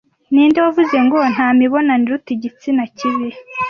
Ninde wavuze ngo "Nta mibonano iruta igitsina kibi"